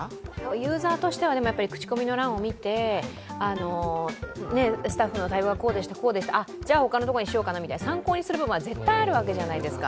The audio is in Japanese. ユーザーとしては口コミの欄を見て、スタッフの対応がこうでした、こうでしたと、じゃあ、他のところにしようかなって、参考にする部分は絶対あるわけじゃないですか。